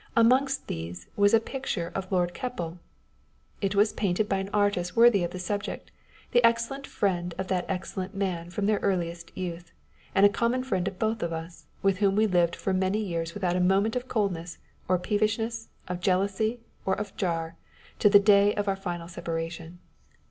Amongst these was the picture of Lord Keppel. It was painted by an artist worthy of the subject, the excellent friend of that excellent man from their earliest youth, and a common friend of us both, with whom we lived for many years without a moment of coldness, of peevishness, of jealousy, or of jar, to the day of our final separation.